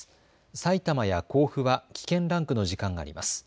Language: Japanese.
さいたまや甲府は危険ランクの時間があります。